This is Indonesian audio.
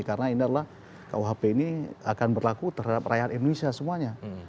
karena ini adalah kuhp ini akan berlaku terhadap rakyat indonesia semuanya